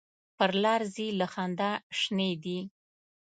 پر لار ځي له خندا شینې دي.